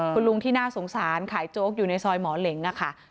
คุณลุงที่น่าสงสารขายโจ๊กอยู่ในซอยหมอเหล็งนะคะ